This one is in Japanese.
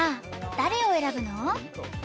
誰を選ぶの？